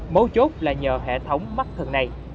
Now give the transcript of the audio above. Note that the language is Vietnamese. mấu chốt là nhờ hệ thống mắt thần này